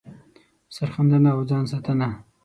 سر ښندنه او ځان ساتنه